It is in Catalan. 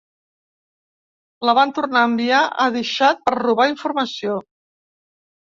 La van tornar a enviar a The Shed per robar informació.